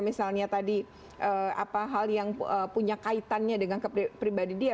misalnya tadi hal yang punya kaitannya dengan pribadi dia